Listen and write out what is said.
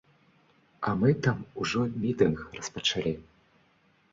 А мы там ужо мітынг распачалі.